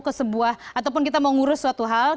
ke sebuah ataupun kita mau ngurus suatu hal